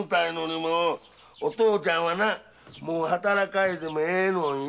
お父ちゃんはもう働かなくてもええのんや。